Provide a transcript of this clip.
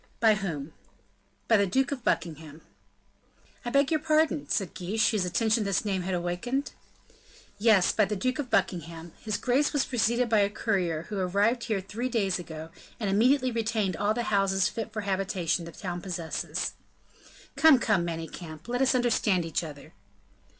"By whom?" "By the Duke of Buckingham." "I beg your pardon?" said Guiche, whose attention this name had awakened. "Yes, by the Duke of Buckingham. His Grace was preceded by a courier, who arrived here three days ago, and immediately retained all the houses fit for habitation the town possesses." "Come, come, Manicamp, let us understand each other."